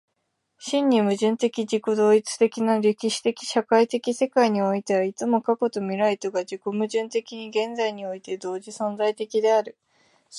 真に矛盾的自己同一的な歴史的社会的世界においては、いつも過去と未来とが自己矛盾的に現在において同時存在的である。